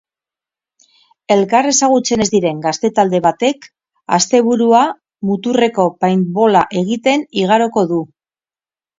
Elkar ezagutzen ez diren gazte talde batek asteburua muturreko paintballa egiten igaroko du.